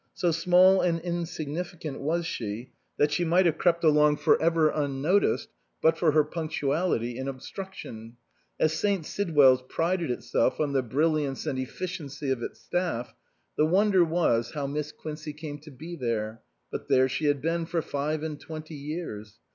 So small and insignificant was she that she might have crept along for ever unnoticed but for her punctuality in obstruc tion. As St. Sidwell's prided itself on the brilliance and efficiency of its staff, the wonder was how Miss Quincey came to be there, but there she had been for five and twenty years.